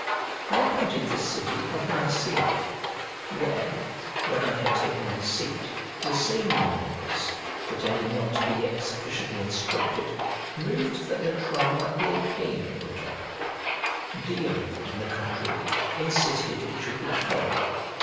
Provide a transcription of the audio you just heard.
I appointed the city of Nicea; where, when I had taken my seat, the same Eumolpus, pretending not to be yet sufficiently instructed, moved that the trial might be again put off: Dion, on the contrary, insisted it should be heard.